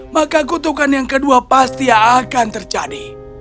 maka kutukan yang kedua pasti akan terjadi